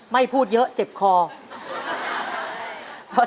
จิตตะสังวโรครับ